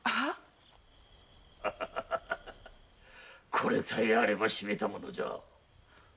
これさえあればしめたものじゃ。